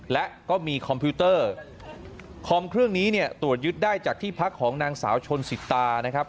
และก็มีคอมพิวเตอร์คอมเครื่องนี้เนี่ยตรวจยึดได้จากที่พักของนางสาวชนสิตานะครับ